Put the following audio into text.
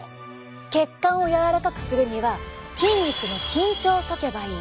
血管を柔らかくするには筋肉の緊張をとけばいい。